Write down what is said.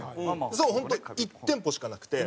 それは本当１店舗しかなくて。